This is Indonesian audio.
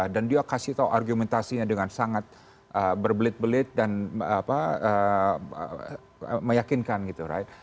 dan dia kasih tahu argumentasinya dengan sangat berbelit belit dan meyakinkan gitu